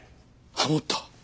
ハモった。